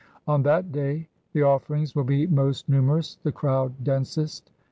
On that day the offerings will be most numerous, the crowd densest.